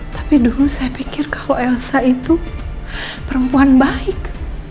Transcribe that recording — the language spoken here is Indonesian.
tapi dulu saya pikir kalau elsa itu perempuan baik